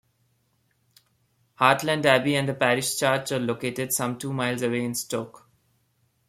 Hartland Abbey and the parish church are located some two miles away in Stoke.